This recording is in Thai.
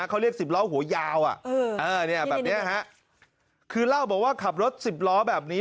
เขาเรียก๑๐ล้อหัวยาวนี่แหละแบบเนี่ยฮะคือเล่าบอกว่าขับรถ๑๐ล้อแบบนี้